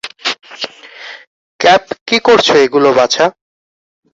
Cap, কী করছ এগুলো, বাছা?